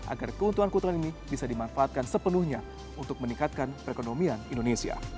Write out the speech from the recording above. agar keuntungan keuntungan ini bisa dimanfaatkan sepenuhnya untuk meningkatkan perekonomian indonesia